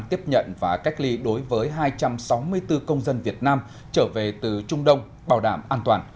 tiếp nhận và cách ly đối với hai trăm sáu mươi bốn công dân việt nam trở về từ trung đông bảo đảm an toàn